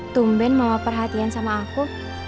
tumben bawa perhatian sama aku